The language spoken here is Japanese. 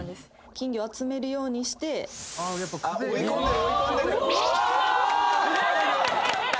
金魚集めるようにして追い込んでる追い込んでる！